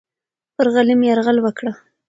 پر غلیم یرغل وکړه.